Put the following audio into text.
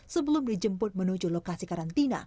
sebelum dijemput menuju lokasi karantina